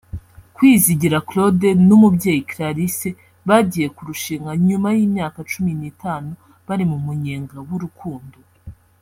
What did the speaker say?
Kwizigira Claude na Umubyeyi Clarisse bagiye kurushinga nyuma y’imyaka cumi n’itanu bari mu munyenga w’urukundo